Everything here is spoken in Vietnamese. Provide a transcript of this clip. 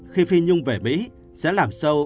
khi phi nhung về mỹ sẽ làm show